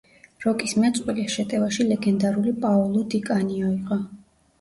როკის მეწყვილე შეტევაში ლეგენდარული პაოლო დი კანიო იყო.